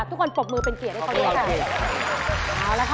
ทุกคนปกมือเป็นเกียรติเขาด้วยค่ะพี่ดาวคะแล้วครับขอบค่ะ